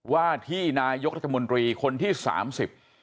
ว่าที่นายกรัฐมนตรีคนที่๓๐